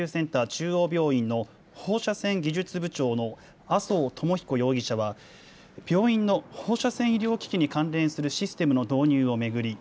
中央病院の放射線技術部長の麻生智彦容疑者は病院の放射線医療機器に関連するシステムの導入を巡り